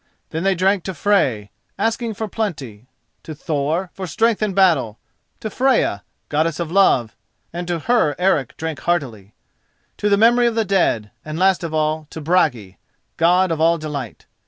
Then they drank to Frey, asking for plenty; to Thor, for strength in battle; to Freya, Goddess of Love (and to her Eric drank heartily); to the memory of the dead; and, last of all, to Bragi, God of all delight.